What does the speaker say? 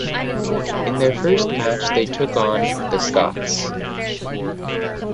In their first match they took on 'the Scots'.